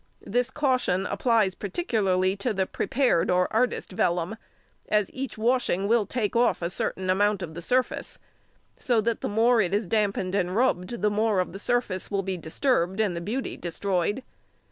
This caution applies particularly to the prepared or artist vellum, as each washing will take off a certain amount of the surface, so that the more it is damped and rubbed the more the surface will be disturbed and the beauty destroyed.